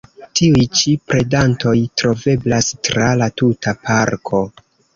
Tiuj ĉi predantoj troveblas tra la tuta parko.